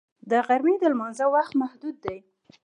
د غرمې د لمانځه وخت محدود دی